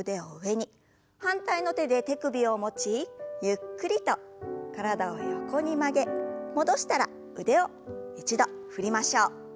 反対の手で手首を持ちゆっくりと体を横に曲げ戻したら腕を一度振りましょう。